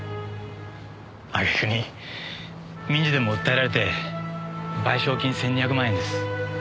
揚げ句に民事でも訴えられて賠償金１２００万円です。